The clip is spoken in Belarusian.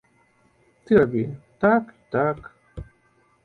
Ты рабі так і так.